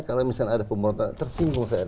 kalau misalnya ada pemerintah tersinggung saya